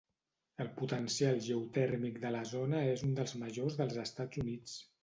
El potencial geotèrmic de la zona és un dels majors dels Estats Units.